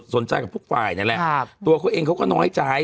สนใจกับพวกว่าอีกหน่อยแหละครับตัวเขาเองเขาก็น้อยใจ